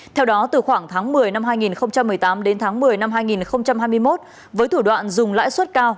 theo đó từ khoảng tháng một mươi năm hai nghìn một mươi tám đến tháng một mươi năm hai nghìn hai mươi một với thủ đoạn dùng lãi suất cao